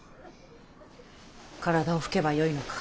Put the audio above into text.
体を拭けばよいのか。